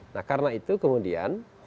nah karena itu kemudian